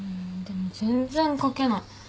でも全然書けない。